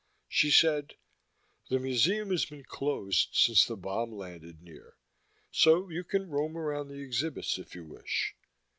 She said: "The museum has been closed since the bomb landed near, so you can roam around the exhibits if you wish.